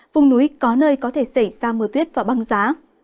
vùng núi có nơi có thể xảy ra mưa tuyết và băng giá